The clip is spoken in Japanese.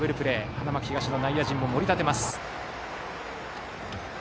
花巻東の内野陣も盛り立てます。